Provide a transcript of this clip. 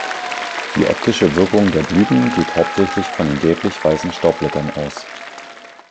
Die optische Wirkung der Blüten geht hauptsächlich von den gelblich-weißen Staubblättern aus.